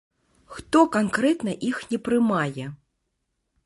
Хто канкрэтна іх не прымае?